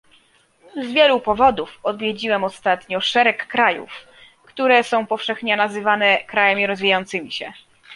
Z wielu powodów odwiedziłem ostatnio szereg krajów, które są powszechnie nazywane krajami rozwijającymi się